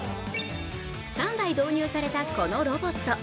３台導入されたこのロボット。